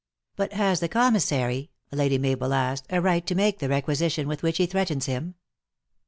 "But has the commissary," Lady Mabel asked, " a right to make the requisition with which he threatens him?"